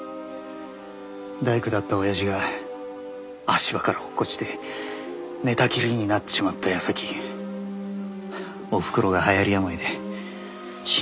大工だったおやじが足場から落っこちて寝たきりになっちまったやさきおふくろがはやり病で死んじまってよ。